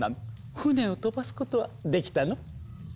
船を飛ばすことはできたの？